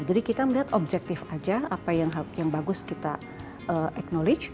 jadi kita melihat objektif aja apa yang bagus kita acknowledge